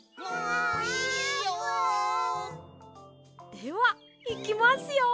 ではいきますよ！